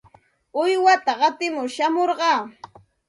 Uywata qatimur shamurqaa.